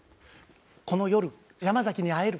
この夜山崎に会える。